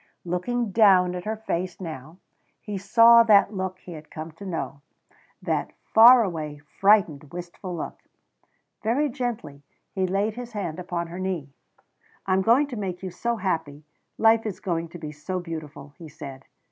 Looking down at her face now he saw that look he had come to know that far away, frightened, wistful look. Very gently he laid his hand upon her knee. "I am going to make you so happy. Life is going to be so beautiful," he said.